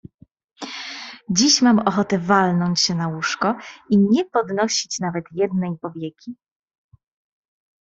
Dziś mam ochotę walnąć się na łóżko i nie podnosić nawet jednej powieki.